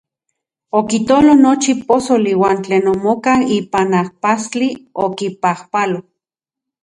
Okitolo nochi posoli uan tlen omokak ipan ajpastli, okipajpalo.